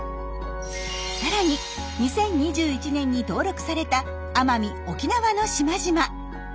さらに２０２１年に登録された奄美・沖縄の島々。